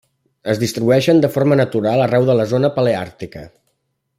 Es distribueixen de forma natural arreu de la zona paleàrtica: